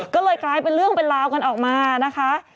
ก็เลยกลายเป็นเรื่องเป็นราวกันออกมานะคะ